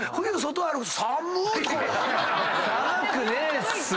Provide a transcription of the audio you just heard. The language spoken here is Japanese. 寒くねえっすよ。